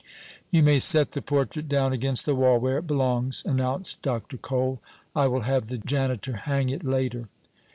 "You may set the portrait down against the wall where it belongs," announced Dr. Cole. "I will have the janitor hang it later."